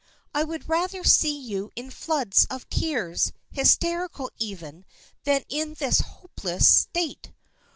I would rather see you in floods of tears, hysterical even, than in this hopeless state."